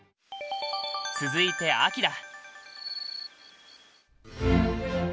続いて「秋」だ！